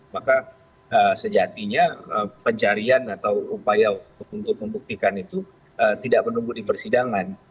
maka sejatinya pencarian atau upaya untuk membuktikan itu tidak menunggu di persidangan